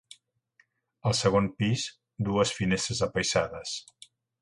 Al segon pis dues finestres apaïsades.